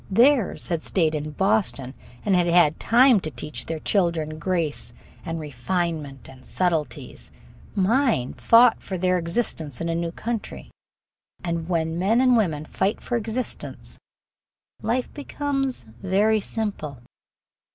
Theirs had stayed in Boston, and had had time to teach their children grace and refinement and subtleties. Mine fought for their existence in a new country. And when men and women fight for existence life becomes very simple.